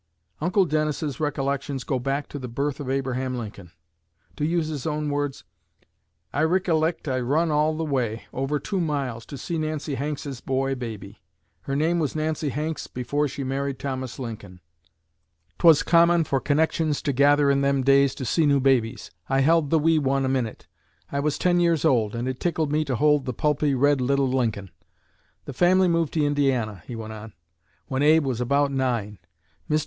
Uncle Dennis's recollections go back to the birth of Abraham Lincoln. To use his own words: "I rikkilect I run all the way, over two miles, to see Nancy Hanks's boy baby. Her name was Nancy Hanks before she married Thomas Lincoln. 'Twas common for connections to gather in them days to see new babies. I held the wee one a minute. I was ten years old, and it tickled me to hold the pulpy, red little Lincoln. The family moved to Indiana," he went on, "when Abe was about nine. Mr.